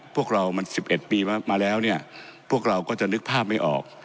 พวกเรามัน๑๑ปีมาแล้วเนี่ยพวกเราก็จะนึกภาพไม่ออก